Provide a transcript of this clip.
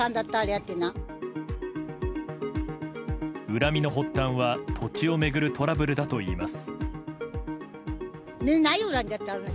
恨みの発端は土地を巡るトラブルだといいます。